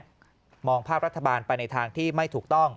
และมองภาพรัฐบาลไปในทางที่ไม่ถูกต้อง